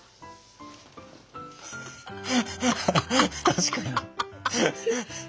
確かに。